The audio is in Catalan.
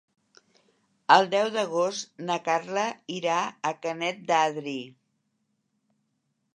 El deu d'agost na Carla irà a Canet d'Adri.